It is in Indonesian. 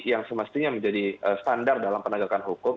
yang semestinya menjadi standar dalam penegakan hukum